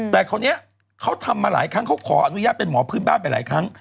แต่คนนี้เขาทำมาหลายครั้งเขาขออนุญาตเป็นหมอพื้นบ้านไปหลายครั้ง